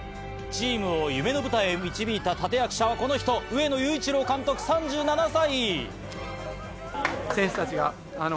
チームを夢の舞台へ導いた立役者はこの人、上野裕一郎監督、３７歳。